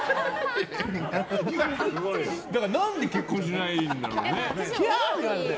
だから何で結婚しないんだろうね。